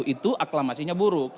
itu aklamasinya buruk